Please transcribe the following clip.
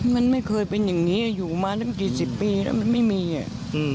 มันไม่เคยเป็นอย่างงี้อยู่มาตั้งกี่สิบปีแล้วมันไม่มีอ่ะอืม